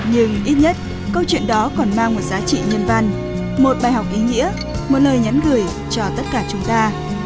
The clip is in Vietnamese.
nhưng ít nhất câu chuyện đó còn mang một giá trị nhân văn một bài học ý nghĩa một lời nhắn gửi cho tất cả chúng ta